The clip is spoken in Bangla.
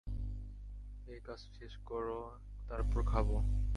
এই কাজটা শেষ করে তারপর খাবো।